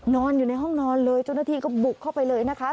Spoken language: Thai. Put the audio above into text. นอนอยู่ในห้องนอนเลยเจ้าหน้าที่ก็บุกเข้าไปเลยนะคะ